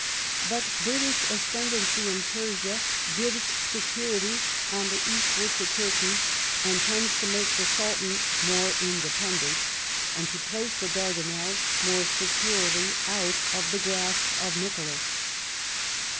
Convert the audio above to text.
But British ascendancy in Persia gives security on the eastward to Turkey, and tends to make the Sultan more independent, and to place the Dardanelles more securely out of the grasp of Nicholas.